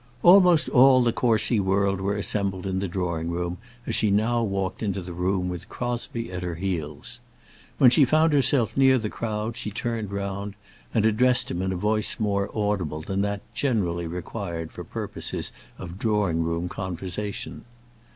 Almost all the Courcy world were assembled in the drawing room as she now walked into the room with Crosbie at her heels. When she found herself near the crowd she turned round, and addressed him in a voice more audible than that generally required for purposes of drawing room conversation.